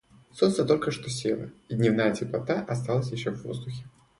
Солнце только что село, и дневная теплота оставалась еще в воздухе.